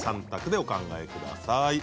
３択でお考えください。